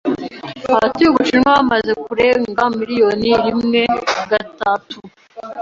Abatuye Ubushinwa bamaze kurenga miliyari rimwe.gatatu.